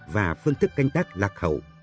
và phương thức canh tác lạc hậu